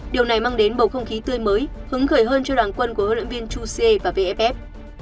điều này mang đến bầu không khí tươi mới hứng khởi hơn cho đoàn quân của hlv chu xie và vff